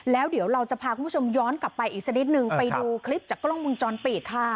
แล้วเดี๋ยวเราจะพาคุณผู้ชมย้อนกลับไปอีกสักนิดนึงไปดูคลิปจากกล้องมุมจรปิดค่ะ